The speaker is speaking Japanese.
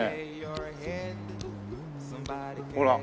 ほら。